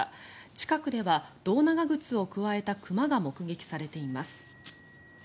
近くでは胴長靴をくわえた熊が目撃されています。